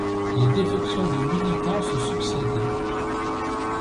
Les défections de militants se succèdent.